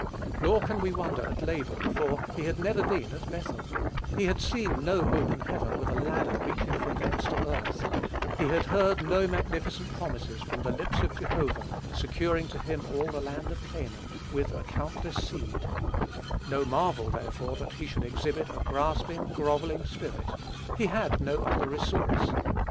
Nor can we wonder at Laban, for he had never been at Bethel: he had seen no open heaven with a ladder reaching from thence to earth; he had heard no magnificent promises from the lips of Jehovah, securing to him all the land of Canaan, with a countless seed: no marvel, therefore, that he should exhibit a grasping, grovelling spirit; he had no other resource.